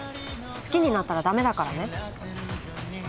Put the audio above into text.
好きになったら駄目だからね。